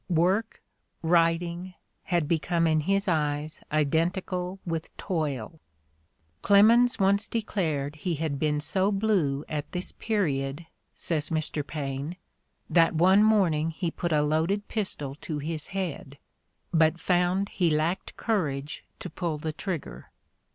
Work, writing, had become in his eyes identical with toil: "Clemens once declared he had been so blue at this period," says Mr. Paine, '' that one morning he put a loaded pistol to his head, but found he lacked courage to pull the trig ger."